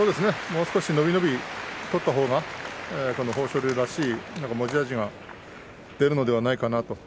もう少し伸び伸びと取った方が豊昇龍らしい持ち味が出るのではないかなと。